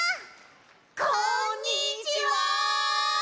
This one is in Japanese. こんにちは。